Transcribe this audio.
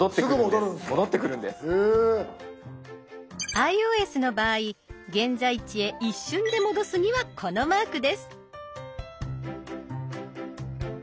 ｉＯＳの場合現在地へ一瞬で戻すにはこのマークです。